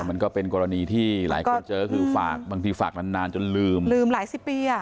มันก็เป็นกรณีที่หลายคนเจอคือฝากบางทีฝากนานนานจนลืมลืมหลายสิบปีอ่ะ